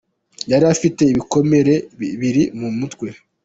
Yari afite ibikomere bibiri mu mutwe.